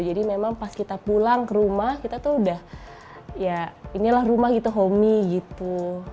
jadi memang pas kita pulang ke rumah kita tuh udah ya inilah rumah gitu homey gitu